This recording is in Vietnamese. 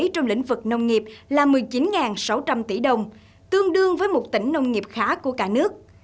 trong lĩnh vực nông nghiệp là một mươi chín sáu trăm linh tỷ đồng tương đương với một tỉnh nông nghiệp khá của cả nước